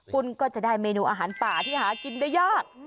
คุณก็จะได้เมนูอาหารป่าที่หากินได้ยาก